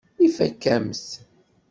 Ifakk-am-t.